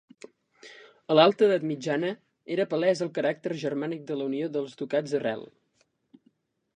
A l'alta edat mitjana era palès el caràcter germànic de la unió dels ducats arrel.